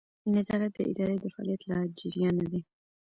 نظارت د ادارې د فعالیت له جریانه دی.